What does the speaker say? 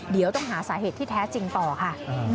เดี๋ยวต้องหาสาเหตุที่แท้จริงต่อค่ะ